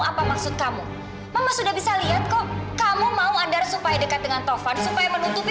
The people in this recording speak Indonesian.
apa maksud kamu mama sudah bisa lihat kok kamu mau andar supaya dekat dengan tovan supaya menutupi